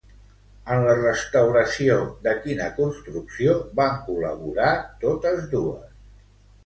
En la restauració de quina construcció van col·laborar totes dues?